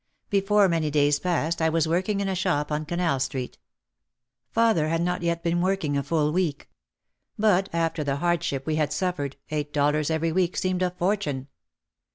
Before many days passed I was working in a shop on Canal Street. Father had not yet been working a full week. But after the hardship we had suffered eight dollars every week seemed a fortune.